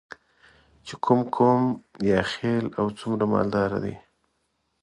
چې کوم قوم یا خیل او څومره مالداره دی.